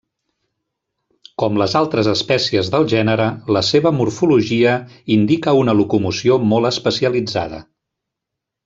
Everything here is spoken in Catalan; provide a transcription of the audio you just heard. Com les altres espècies del gènere, la seva morfologia indica una locomoció molt especialitzada.